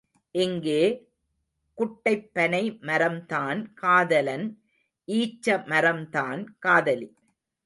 இங்கே, குட்டைப் பனை மரம்தான் காதலன் ஈச்ச மரம்தான் காதலி.